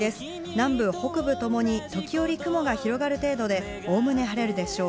南部、北部ともに時折、雲が広がる程度で、おおむね晴れるでしょう。